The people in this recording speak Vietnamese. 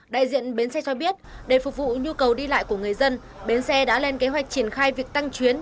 đại diện bến xe cho biết để phục vụ nhu cầu đi lại của người dân bến xe đã lên kế hoạch triển khai việc tăng chuyến